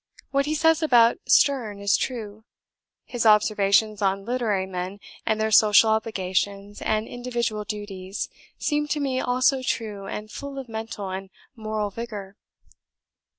What he says about Sterne is true. His observations on literary men, and their social obligations and individual duties, seem to me also true and full of mental and moral vigour.